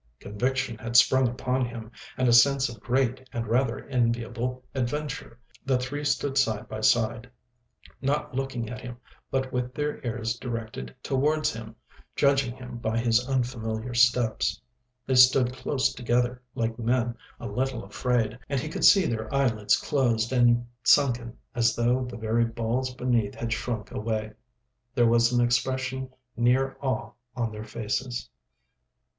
Conviction had sprung upon him, and a sense of great and rather enviable adventure. The three stood side by side, not looking at him, but with their ears directed towards him, judging him by his unfamiliar steps. They stood close together like men a little afraid, and he could see their eyelids closed and sunken, as though the very balls beneath had shrunk away. There was an expression near awe on their faces.